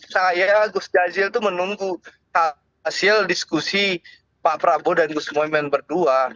saya gus yajil tuh menunggu hasil diskusi pak prabowo dan gus muhaymin berdua